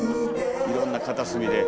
いろんな片隅で。